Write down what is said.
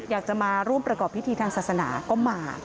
อยากจะมาร่วมประกอบพิธีทางศาสนาก็มา